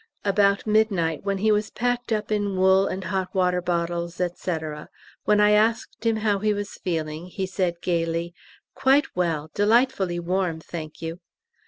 About midnight, when he was packed up in wool and hot water bottles, &c., when I asked him how he was feeling, he said gaily, "Quite well, delightfully warm, thank you!"